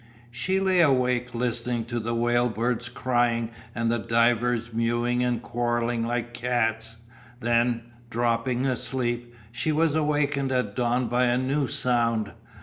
She lay awake listening to the whale birds crying and the divers mewing and quarrelling like cats, then, dropping asleep, she was awakened at dawn by a new sound.